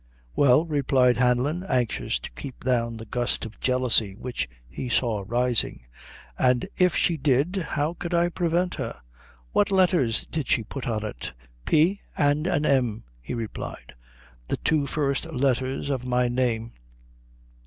"Well," replied Hanlon, anxious to keep down the gust of jealousy which he saw rising, "and if she did, how could I prevent her?" "What letthers did she put on it?" "P. and an M.," he replied, "the two first letthers of my name."